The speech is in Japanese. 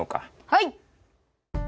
はい！